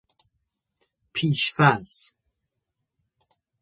پیش فرض